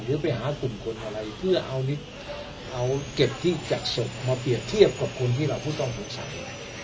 หรือไปหากลุ่มคนอะไรเพื่อเอาเก็บที่จากศพมาเปลี่ยนเถียบกับคนที่เราต้องถูกสามารถ